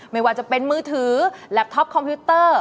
ไม่ว่าจะเป็นมือถือแลบท็อปคอมพิวเตอร์